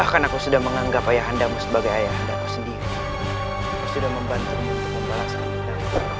kau sudah membantumu untuk membalaskan kita